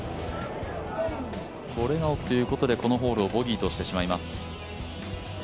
これが奥ということでこのホールをボギーとしてしまいます。